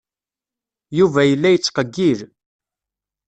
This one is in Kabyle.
Yuba yella yettqeyyil.